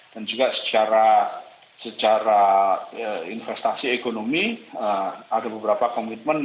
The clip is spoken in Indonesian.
dan juga secara investasi ekonomi ada beberapa komitmen